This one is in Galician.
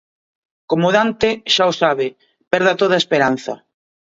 Como Dante, xa o sabe, perda toda esperanza.